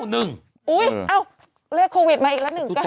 เลือกโควิดมาอีกแล้ว๑๙๑